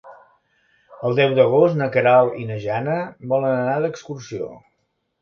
El deu d'agost na Queralt i na Jana volen anar d'excursió.